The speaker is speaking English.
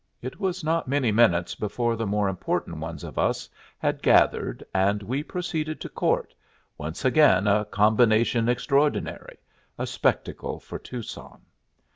It was not many minutes before the more important ones of us had gathered, and we proceeded to court, once again a Combination Extraordinary a spectacle for Tucson.